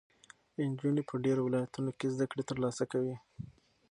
نجونې په ډېرو ولایتونو کې زده کړې ترلاسه کوي.